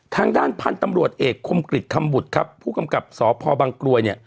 ทางด้านพันธุ์ตำรวจเอกคมกริจคำบุตรครับผู้กำกับสพบังกลวยเนี่ย